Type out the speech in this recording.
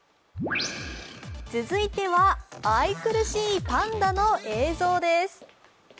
続いては愛くるしいパンダの映像です。